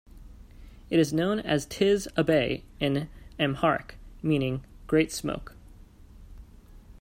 It is known as Tis Abay in Amharic, meaning "great smoke".